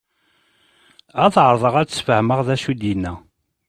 Ad ɛerḍeɣ ad d-sfehmeɣ d acu i d-inna.